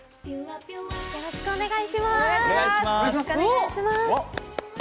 よろしくお願いします。